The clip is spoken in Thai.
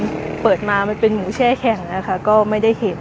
มันเปิดมามันเป็นหมูแช่แข็งนะคะก็ไม่ได้เห็น